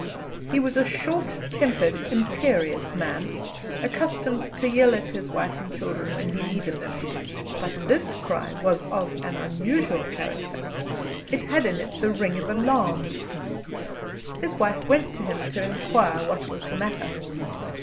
He was a short tempered, imperious man, accustomed to yell at his wife and children when he needed them; but this cry was of an unusual character, it had in it the ring of alarm. His wife went to him to inquire what was the matter.